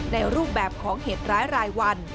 รูปแบบของเหตุร้ายรายวัน